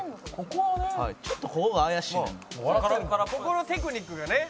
ここのテクニックがね。